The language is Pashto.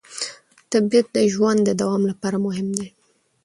طبیعت د ژوند د دوام لپاره مهم دی